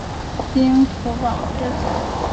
丁福保之子。